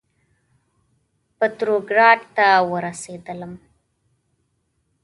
پتروګراډ ته ورسېدلم.